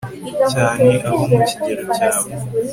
cyane abo mu kigero cyawe